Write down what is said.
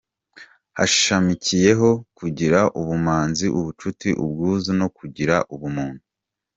Hashamikiyeho kugira ubumanzi, ubucuti, ubwuzu no kugira ubuntu.